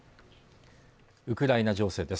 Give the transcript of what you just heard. ウクライナ情勢です